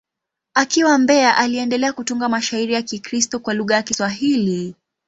Akiwa Mbeya, aliendelea kutunga mashairi ya Kikristo kwa lugha ya Kiswahili.